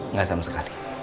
nggak sama sekali